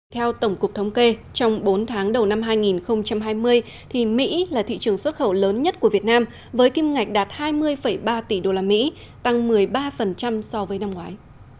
theo tổng cục thống kê trong bốn tháng đầu năm hai nghìn hai mươi mỹ là thị trường xuất khẩu lớn nhất của việt nam với kim ngạch đạt hai mươi ba tỷ usd tăng một mươi ba so với năm ngoái